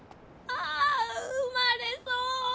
ああ産まれそう。